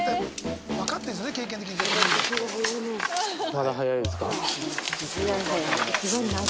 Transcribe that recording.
まだ早いですか。